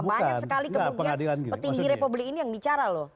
banyak sekali kemudian petinggi republik ini yang bicara loh